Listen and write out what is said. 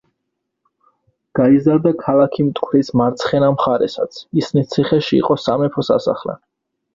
გაიზარდა ქალაქი მტკვრის მარცხენა მხარესაც; ისნის ციხეში იყო სამეფო სასახლე.